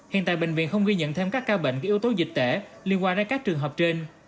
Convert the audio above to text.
hiện tại bệnh viện không ghi nhận thêm các ca bệnh của yếu tố dịch tễ liên quan đến các trường hợp trên